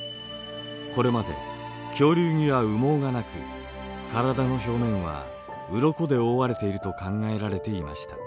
これまで恐竜には羽毛がなく体の表面はうろこで覆われていると考えられていました。